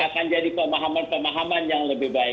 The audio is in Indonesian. akan jadi pemahaman pemahaman yang lebih baik